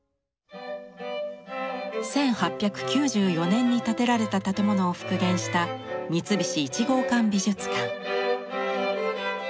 １８９４年に建てられた建物を復元した三菱一号館美術館。